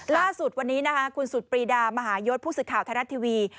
ล่าสุดวันนี้คุณสุดปรีดามหายศผู้ศึกข่าวธนรัฐทีวี